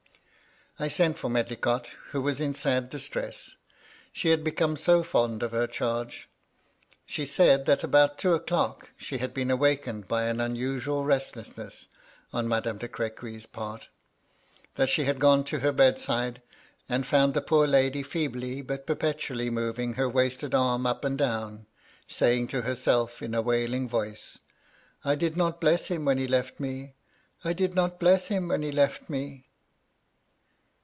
I sent for Medlicott, who was in sad distress, she had become so fond of her charge. She said that, about two o'clock, she had been awakened by unusual restlessness on Madame de Crequy's part ; that she had gone to her bedside, and found the poor lady feebly but perpetually moving her wasted arm up and down — and saying to herself in a wailing voice :* I did not bless him when he left me — I did not bless him when he left me